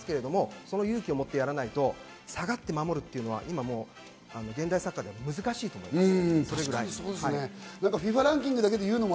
後ろにスペースは多少できますけれども勇気を持ってやらないと、下がって守るというのは今、現代サッカーでは難しいと思います。